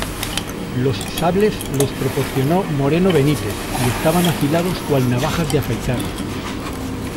Los sables los proporcionó Moreno Benítez y estaban afilados cual navajas de afeitar.